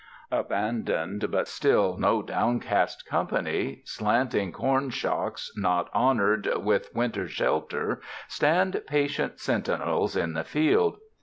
Abandoned, but still no downcast company, slanting corn shocks not honored with winter shelter stand patient sentinels in the field.